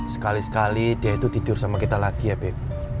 sekali sekali dia itu tidur sama kita lagi ya beb